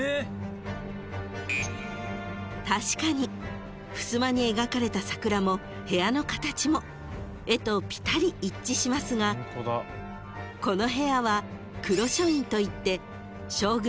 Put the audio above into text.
［確かにふすまに描かれた桜も部屋の形も絵とピタリ一致しますがこの部屋は］